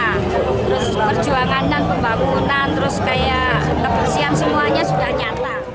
terus perjuangan dan pembangunan terus kayak kebersihan semuanya sudah nyata